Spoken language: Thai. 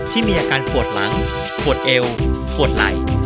ที่มีอาการปวดหลังปวดเอวปวดไหล่